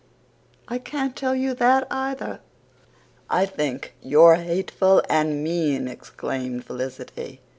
"I can't tell you that either." "I think you're hateful and mean," exclaimed Felicity.